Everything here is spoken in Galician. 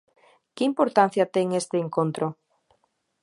Que importancia ten este encontro?